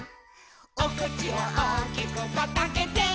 「おくちをおおきくパッとあけて」